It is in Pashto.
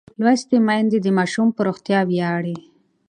لوستې میندې د ماشوم پر روغتیا ویاړي.